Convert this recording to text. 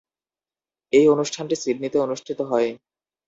এই অনুষ্ঠানটি সিডনিতে অনুষ্ঠিত হয়।